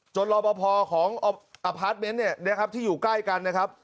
จนรอบอภอของอพาร์ทเมนต์เนี่ยที่อยู่ใกล้กันนะครับ